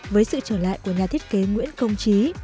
với sự trở lại của nhà thiết kế nguyễn công trí